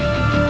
aku akan menang